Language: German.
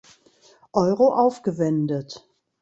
Euro aufgewendet.